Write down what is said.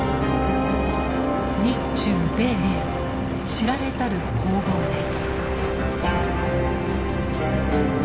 日中米英知られざる攻防です。